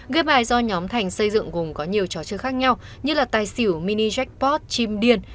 game bài do nhóm thành xây dựng cùng có nhiều trò chơi khác nhau như là tài xỉu mini jackpot chim điên